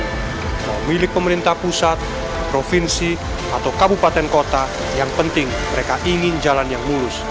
kalau milik pemerintah pusat provinsi atau kabupaten kota yang penting mereka ingin jalan yang mulus